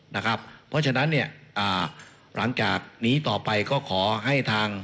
เพราะฉะนั้นเนี่ยหลังจากนี้ต่อไปก็ขอให้ทาง